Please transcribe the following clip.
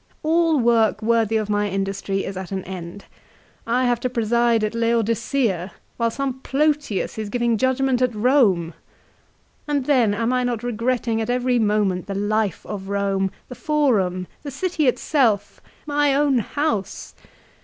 All work worthy of my industry is at an end. I have to preside at Laodicea, while some Plotius is giving judgment at Rome And then am I not regretting at every moment the life of Eome ; the forum, the city itself, my own house